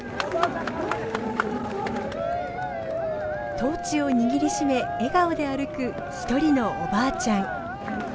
トーチを握り締め笑顔で歩く一人のおばあちゃん。